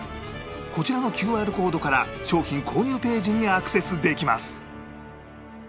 こちらの ＱＲ コードから商品購入ページにアクセスできます